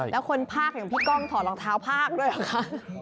แล้วคนภาคอย่างพี่ก้องถอดรองเท้าภาคด้วยเหรอคะ